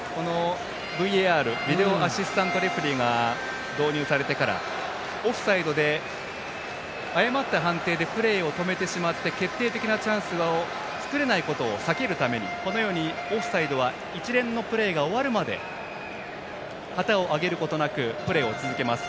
ＶＡＲ＝ビデオアシスタントレフリーが導入されてからオフサイドで誤った判定でプレーを止めてしまって決定的チャンスが作れないことを避けるためにこのようにオフサイドは一連のプレーが終わるまで旗を上げることなくプレーを続けます。